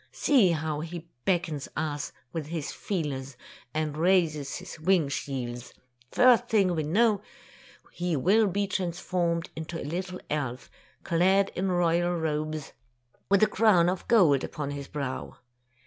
See how he beckons to us with his feelers, and raises his wing shields. First thing we know, he will be transformed into a little elf, clad in royal robes, with a crown of gold upon his brow.